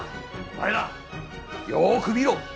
お前らよく見ろ！